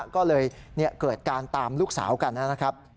ก็เลยเกิดการตามลูกสาวกันนะครับ